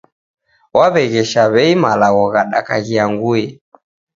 Waw'eghesha w'ei malagho ghadaka ghianguye